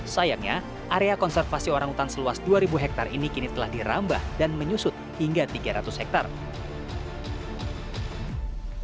sayangnya area konservasi orangutan seluas dua ribu hektare ini kini telah dirambah dan menyusut hingga tiga ratus hektare